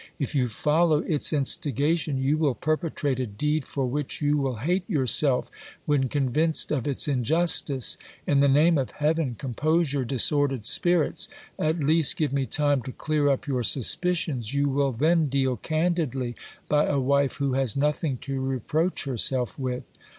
If you follow its instigation, you will perpetrate a deed for which you will hate yourself, when convinced of its injustice. In the name of heaven, compose your disordered spirits. At least give me time to clear up your suspicions ; you will then deal candidly by a wife who has nothing to reproach herself with.